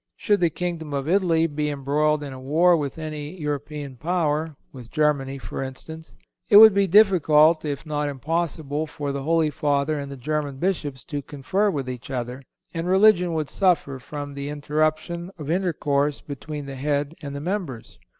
Should the kingdom of Italy be embroiled in a war with any European Power—with Germany, for instance—it would be difficult, if not impossible, for the Holy Father and the German Bishops to confer with each other, and religion would suffer from the interruption of intercourse between the Head and the members.